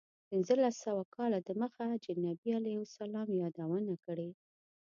پنځلس سوه کاله دمخه چې نبي علیه السلام یادونه کړې.